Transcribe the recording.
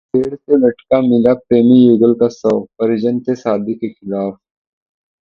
पेड़ से लटका मिला प्रेमी युगल का शव, परिजन थे शादी के खिलाफ